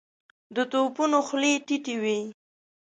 د توپونو خولې ټيټې وې.